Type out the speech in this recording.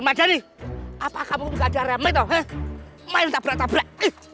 remaja nih apakah kamu enggak ada remeh tuh main tabrak tabrak